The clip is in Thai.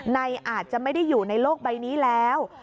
อาจจะไม่ได้อยู่ในโลกใบนี้แล้ว